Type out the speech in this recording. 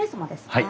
はい。